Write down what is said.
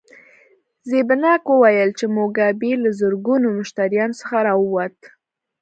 زیمبانک وویل چې موګابي له زرګونو مشتریانو څخه راووت.